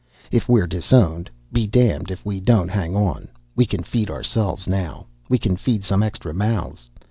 If we're disowned, bedamned if we don't hang on! We can feed ourselves now. We can feed some extra mouths.